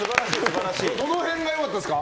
どの辺が良かったですか？